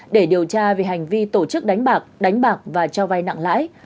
để điều tra về hành vi tổ chức đánh bạc đánh bạc và cho vay nặng lãi